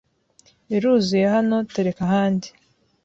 Biruzuye hano tereka ahandi.